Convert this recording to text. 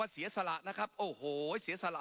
ปรับไปเท่าไหร่ทราบไหมครับ